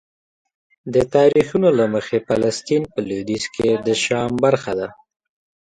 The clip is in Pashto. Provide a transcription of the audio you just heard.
د تاریخونو له مخې فلسطین په لویدیځ کې د شام برخه ده.